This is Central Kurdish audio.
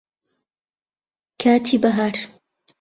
کاتی بەهار